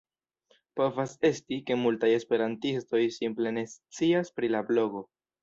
Povas esti, ke multaj esperantistoj simple ne scias pri la blogo.